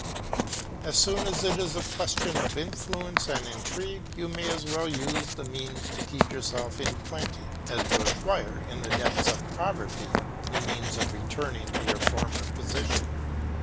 As soon as it is a question of influence and intrigue you may as well use these means to keep yourself in plenty, as to acquire, in the depths of poverty, the means of returning to your former position.